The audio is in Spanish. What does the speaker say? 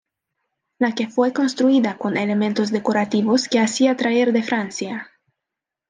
La que fue construida con elementos decorativos que hacía traer de Francia.